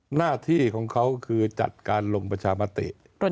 หน้าที่ของเขาคือจัดการลงประชามติ